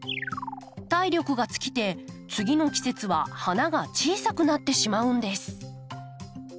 体力が尽きて次の季節は花が小さくなってしまうんです。